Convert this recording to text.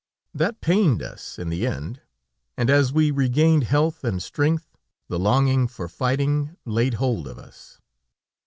That pained us in the end, and as we regained health and strength the longing for fighting laid hold of us.